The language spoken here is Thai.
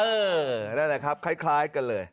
นั่นแหละครับคล้ายกันเลย